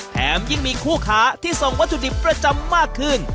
แถมยิ่งมีคู่ค้าที่ส่งวัตถุดิบประจำมากขึ้น